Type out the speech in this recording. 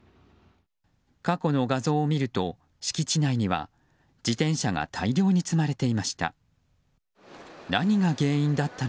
過去の画像を見ると敷地内には自転車が大量に積まれていました。